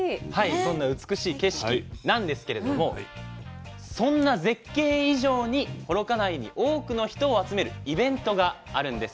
そんな美しい景色なんですけれどもそんな絶景以上に幌加内に多くの人を集めるイベントがあるんです。